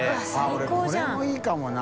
俺これもいいかもな。